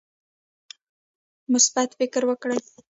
مثبت فکر وکړئ